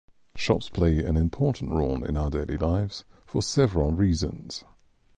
Shops play an important role in our daily lives for several reasons.